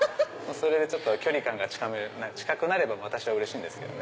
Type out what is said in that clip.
それで距離感が近くなれば私はうれしいんですけどね。